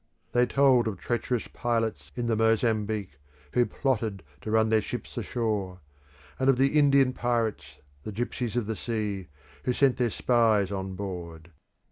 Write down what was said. They told of treacherous pilots in the Mozambique, who plotted to run their ships ashore; and of the Indian pirates, the gipsies of the sea, who sent their spies on board.